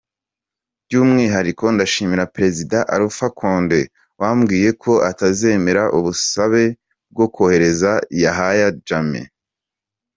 By’umwihariko ndashimira Perezida Alpha Condé wambwiye ko atazemera ubusabe bwo kohereza Yahya Jammeh.